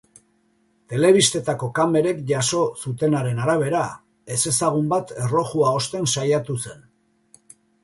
Telebistetako kamerek jaso zutenaren arabera, ezezagun bat erlojua osten saiatu zen.